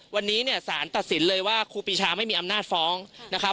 วันนี้เนี่ยสารตัดสินเลยว่าครูปีชาไม่มีอำนาจฟ้องนะครับ